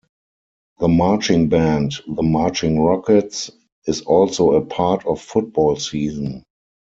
The marching band, the Marching Rockets, is also a part of football season.